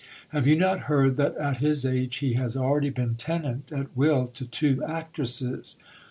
Have you not heard that at his age he has already been tenant at will to two actresses